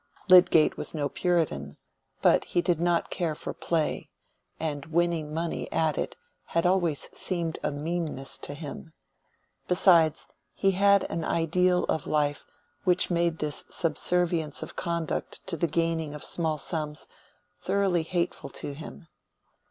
Lydgate was no Puritan, but he did not care for play, and winning money at it had always seemed a meanness to him; besides, he had an ideal of life which made this subservience of conduct to the gaining of small sums thoroughly hateful to him.